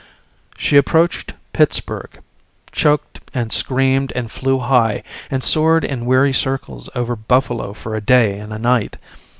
She approached Pittsburgh, choked and screamed and flew high, and soared in weary circles over Buffalo for a day and a night.